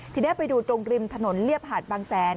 ทีนี้ไปดูตรงริมถนนเรียบหาดบางแสน